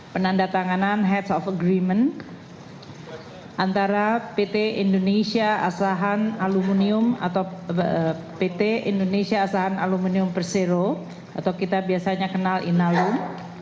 penandatanganan head of agreement antara pt indonesia asahan aluminium persero atau kita biasanya kenal inalum